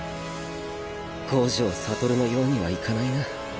五条悟のようにはいかないな。